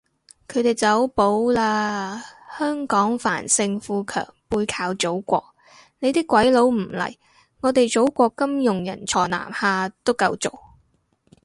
佢哋走寶喇，香港繁盛富強背靠祖國，你啲鬼佬唔嚟，我哋祖國金融人才南下都夠做